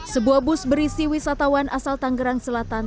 sebuah bus berisi wisatawan asal tanggerang selatan